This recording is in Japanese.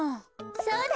そうだ！